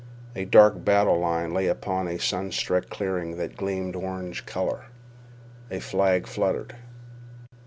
A dark battle line lay upon a sunstruck clearing that gleamed orange color. A flag fluttered.